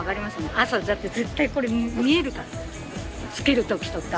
朝絶対これ見えるから着ける時とか。